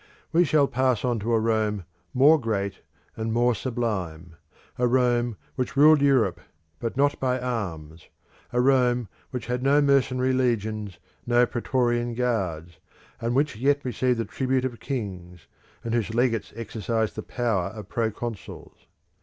We shall pass on to a Rome more great and more sublime; a Rome which ruled Europe, but not by arms; a Rome which had no mercenary legions, no Praetorian Guards, and which yet received the tribute of kings, and whose legates exercised the power of proconsuls.